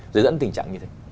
giới dẫn tình trạng như thế